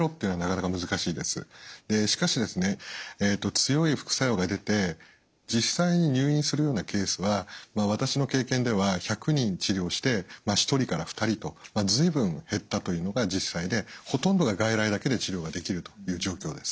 強い副作用が出て実際に入院するようなケースは私の経験では１００人治療して１人から２人と随分減ったというのが実際でほとんどが外来だけで治療ができるという状況です。